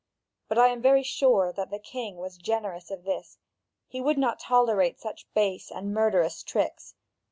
But I am very sure that the king was ignorant of this; he would not tolerate such base and murderous tricks.